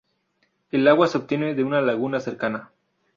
El agua se obtiene de una laguna cercana.